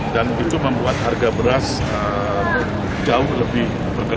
dan itu membuat harga beras jauh lebih tinggi